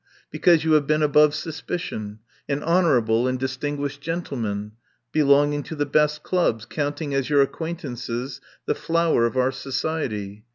Because you have been above suspicion, an honourable and distinguished gentleman, belonging to the best clubs, count ing as your acquaintances the flower of our society.